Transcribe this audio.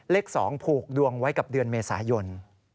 เลข๒ผูกดวงไว้กับเดือนเมษายน